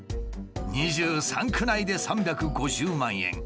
２３区内で３５０万円。